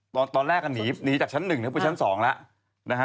ตอนแรกหนีจากชั้น๑เป็นชั้น๒แล้ว